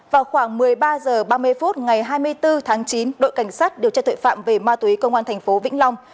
vào khoảng một mươi ba h ba mươi phút ngày hai mươi bốn tháng chín đội cảnh sát điều tra tội phạm về ma túy công an thành phố vĩnh long